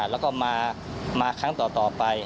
แล้วก็มาครั้งต่อไป